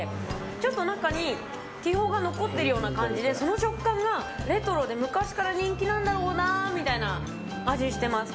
ちょっと、中に気泡が残ってるような感じでその食感がレトロで昔から人気なんだろうなって味してます。